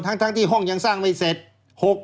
ทั้งที่ห้องยังสร้างไม่เสร็จ